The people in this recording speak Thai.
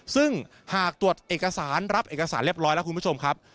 ซึ่งหากตรวจเอกสารรับเอกสารเรียบร้อยแล้วคุณผู้ชมครับ